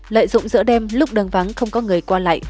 lợi dụng giữa đêm lúc đường vắng không có người qua lại